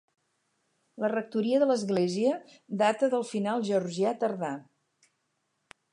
La rectoria de l'església data del final georgià tardà.